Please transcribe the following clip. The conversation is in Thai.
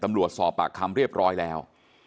สอบปากคำเรียบร้อยแล้ว